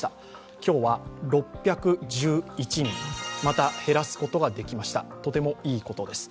今日は６１１人また減らすことができました、とてもいいことです。